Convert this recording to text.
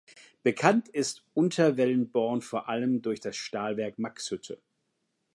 Bekannt ist Unterwellenborn vor allem durch das Stahlwerk Maxhütte.